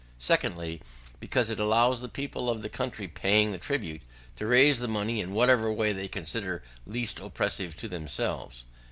Secondly, because it allows the people of the country paying the tribute, to raise the money in whatever way they consider least oppressive to themselves.